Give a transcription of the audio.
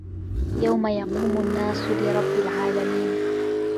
يَومَ يَقومُ النّاسُ لِرَبِّ العالَمينَ